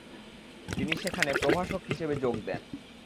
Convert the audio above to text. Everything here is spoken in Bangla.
তিনি সেখানে প্রভাষক হিসাবে যোগ দেন।